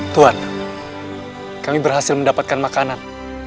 tuan kami berhasil mendapatkan makanan